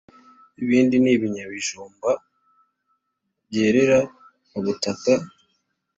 ibindi ni ibinyabijumba. byerera mu butaka.